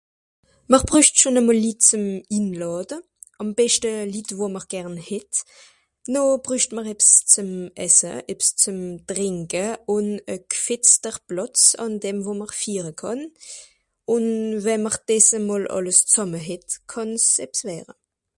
M'r brücht schon emol Litt zùm inlàde, àm beschte Litt wo m'r gern hett. No brücht m'r ebbs zùm esse, ebbs zùm trìnke ùn e gfetster Plàtz àn dem wo m'r fiire kànn ùn wen m'r dìs emol z'sàmme hett kànn's ebbs wëre.